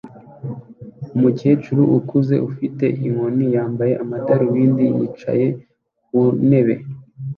Umukecuru ukuze ufite inkoni yambaye amadarubindi yicaye ku ntebe